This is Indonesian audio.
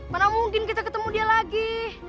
mana mungkin kita ketemu dia lagi